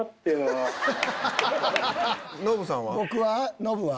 「いやノブさんは」。